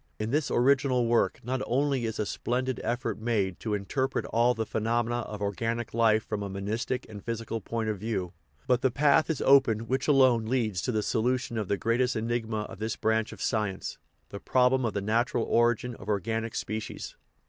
In this original work not only is a splendid effort made to interpret all the phenomena of organic life from a monistic and physical point of view, but the path is opened which alone leads to the solution of the greatest enigma of this branch of sci ence the problem of the natural origin of organic spe cies.